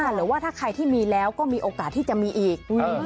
หรือว่าถ้าใครที่มีแล้วก็มีโอกาสที่จะมีอีก